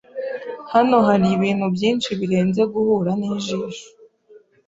Hano haribintu byinshi birenze guhura nijisho